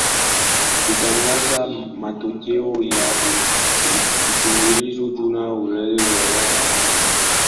kutangaza matokeo ya uchunguzi juu ya tuhuma za rushwa na kuuza kura zinazo wakabili